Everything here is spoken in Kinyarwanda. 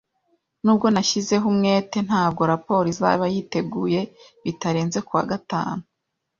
Nubwo nashyizeho umwete, ntabwo raporo izaba yiteguye bitarenze kuwa gatanu